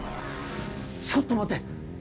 ちょっと待て！